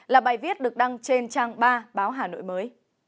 là bài viết được đăng trên trang ba báo hà nội mới